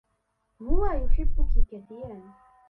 هو يحبكِ كثيرًا.